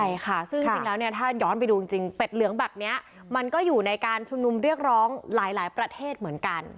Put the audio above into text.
ใช่ค่ะซึ่งจริงแล้วเนี่ยถ้าย้อนไปดูจริงเป็ดเหลืองแบบนี้มันก็อยู่ในการชุมนุมเรียกร้องหลายประเทศเหมือนกัน